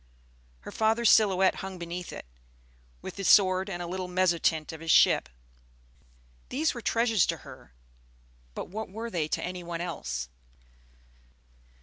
Her father's silhouette hung beneath it, with his sword and a little mezzotint of his ship. These were treasures to her, but what were they to any one else?